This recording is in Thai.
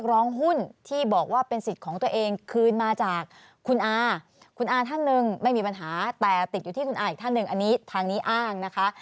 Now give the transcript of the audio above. คุณอะท่านหนึ่งไม่มีปัญหาแต่ติดอยู่ที่คุณอะอีกท่านหนึ่งอันนี้ทางนี้อ้างนะคะ